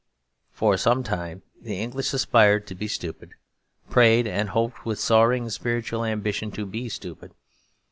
For some time the English aspired to be stupid, prayed and hoped with soaring spiritual ambition to be stupid.